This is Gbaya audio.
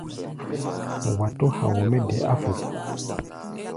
Wa tó hao mɛ́ de áfuk.